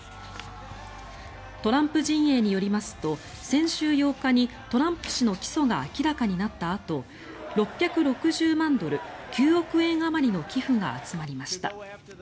トランプ陣営によりますと先週８日にトランプ氏の起訴が明らかになったあと６６０万ドル９億円あまりの寄付が集まりました。